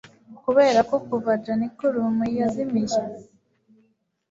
Kuberako kuva Janiculum yazimiye